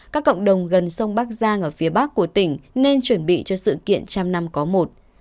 các cộng đồng gần sông bắc giang ở phía bắc của tỉnh nên chuẩn bị cho sự kiện trăm năm có một